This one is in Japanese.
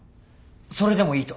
それでもいいと？